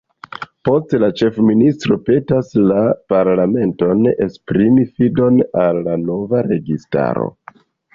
Poste la ĉefministro petas la parlamenton esprimi fidon al la nova registaro.